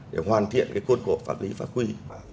để hoàn thiện khuôn khổ pháp lý và pháp quy